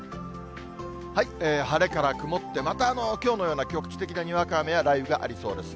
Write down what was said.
晴れから曇って、またきょうのような局地的なにわか雨や雷雨がありそうです。